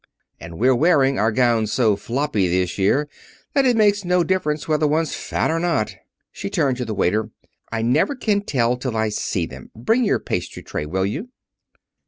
"And we're wearing our gowns so floppy this year that it makes no difference whether one's fat or not." She turned to the waiter. "I never can tell till I see them. Bring your pastry tray, will you?"